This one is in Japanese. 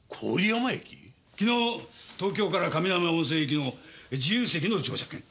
昨日の東京からかみのやま温泉行きの自由席の乗車券。